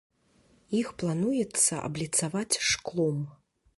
Іх плануецца абліцаваць шклом.